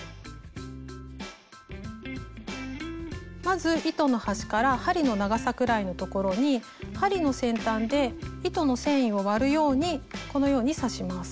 まず糸の端から針の長さくらいのところに針の先端で糸の繊維を割るようにこのように刺します。